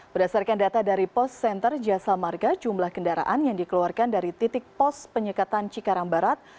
berdasarkan data dari post center jasa marga jumlah kendaraan yang dikeluarkan dari titik pos penyekatan cikarang barat